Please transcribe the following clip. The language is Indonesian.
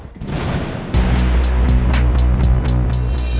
lo bener ya